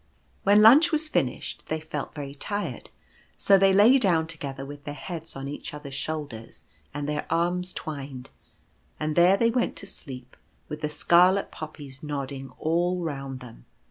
When lunch was finished, they felt very tired, so they lay down together with their heads on each other's shoulders and their arms twined; and there they went to sleep with the scarlet Poppies nodding all round them.